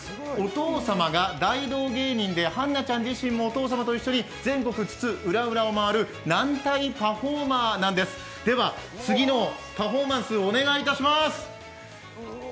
お父様が大道芸人で、絆那ちゃん自身もお父様と一緒に全国津々浦々を回る軟体パフォーマーなんです、次のパフォーマンスお願いします。